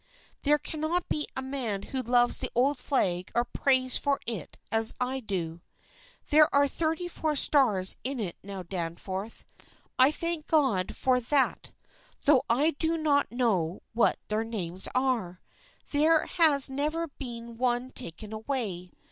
There cannot be a man who loves the old flag or prays for it as I do. There are thirty four stars in it now, Danforth. I thank God for that, though I do not know what their names are. There has never been one taken away.